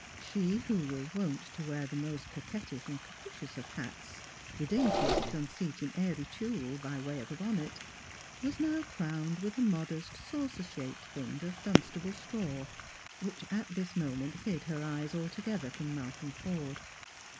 She, who was wont to wear the most coquettish and capricious of hats, the daintiest conceit in airy tulle by way of a bonnet, was now crowned with a modest saucer shaped thing of Dunstable straw, which at this moment hid her eyes altogether from Malcolm Forde.